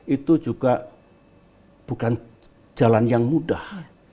itu juga bukan jalan yang mudah